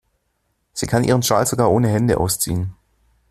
Sie kann ihren Schal sogar ohne Hände ausziehen.